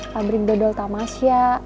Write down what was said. pabrik dodo tamas ya